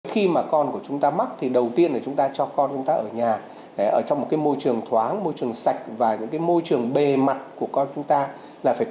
khi mà con của chúng ta mắc thì đầu tiên là chúng ta cho con chúng ta ở nhà ở trong một môi trường thoáng môi trường sạch và môi trường bề mặt của con chúng ta